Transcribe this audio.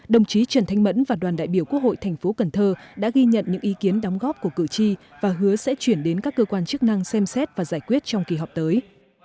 đồng chí trần thanh mẫn và đoàn đại biểu quốc hội thành phố cần thơ đã ghi nhận những ý kiến đóng góp của cử tri và hứa sẽ chuyển đến các cơ quan chức năng xem xét và giải quyết trong kỳ họp tới